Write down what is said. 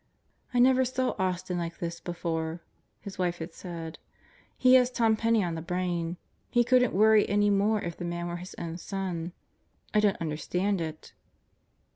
"I never saw Austin like this before," his wife had said. "He has Tom Penney on the brain. He couldn't worry any more if the man were his own son. I don't understand it."